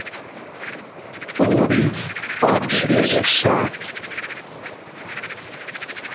ТӀури хуабжьу езэшат.